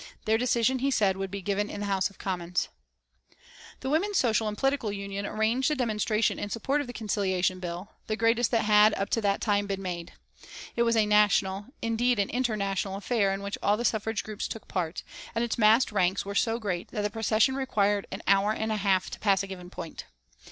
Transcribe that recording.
Their decision, he said, would be given in the House of Commons. [Illustration: OVER 1,000 WOMEN HAD BEEN IN PRISON BROAD ARROWS IN THE 1910 PARADE] The Women's Social and Political Union arranged a demonstration in support of the Conciliation Bill, the greatest that had, up to that time, been made. It was a national, indeed an inter national affair in which all the suffrage groups took part, and its massed ranks were so great that the procession required an hour and a half to pass a given point.